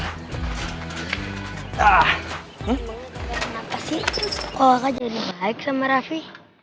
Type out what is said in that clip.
kenapa sih kok kakak jadi baik sama raffi